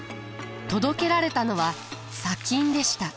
届けられたのは砂金でした。